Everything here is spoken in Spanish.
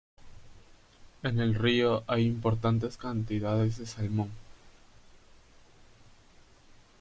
En el río hay importantes cantidades de salmón.